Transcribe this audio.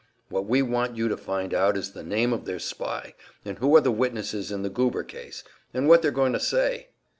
What we want you to find out is the name of their spy, and who are their witnesses in the Goober case, and what they're going to say."